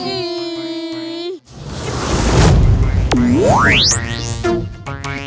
semuanya sepi bos